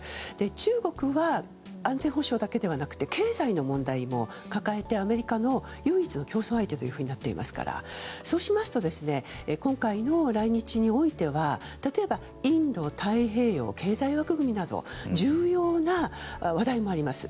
中国は安全保障だけではなくて経済の問題も抱えてアメリカの唯一の競争相手というふうになっていますからそうしますと今回の来日においては例えばインド太平洋経済枠組みなど重要な話題もあります。